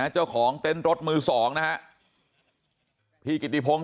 เจ้าของเต็นรถมือ๒นะครับพี่กิติพงค์